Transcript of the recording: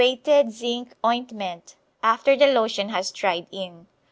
Benzoated zinc ointment after the lotion has dried in.